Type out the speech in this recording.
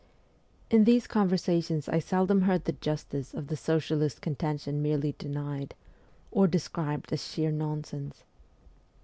' In these conversations I seldom heard the justice of the socialist contention merely denied, or described as sheer nonsense.